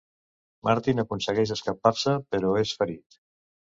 Martin aconsegueix escapar-se però és ferit.